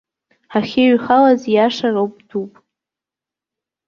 Ҳахьыҩхалаз, ииашароуп, дәуп.